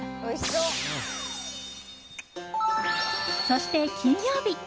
そして、金曜日。